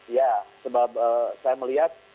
ya sebab saya melihat